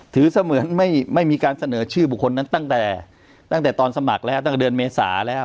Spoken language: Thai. เสมือนไม่มีการเสนอชื่อบุคคลนั้นตั้งแต่ตั้งแต่ตอนสมัครแล้วตั้งแต่เดือนเมษาแล้ว